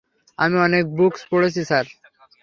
আমি অনেক বুকস পড়েছি, স্যার।